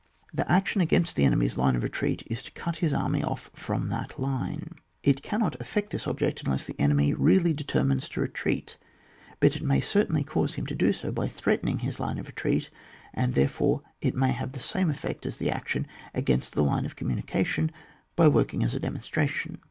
The action against the enemy's line of retreat is to cut his army off from that line. It cannot effect this object unless the enemy really determines to retreat ; but it may certainly cause him to do so by threatening his line of retreat, and, therefore, it may have the same effect as the action against the line of communica tion, by working as a demonstration.